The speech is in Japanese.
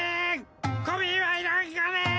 小ビンはいらんかね！